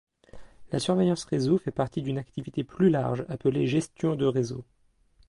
La surveillance réseau fait partie d'une activité plus large appelée gestion de réseau.